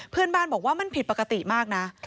เพื่อนบ้านบอกว่ามันผิดปกติมากนะ